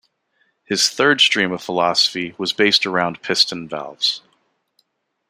His third stream of philosophy was based around piston valves.